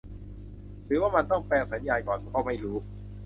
หรือว่ามันต้องแปลงสัญญาณก่อนก็ไม่รู้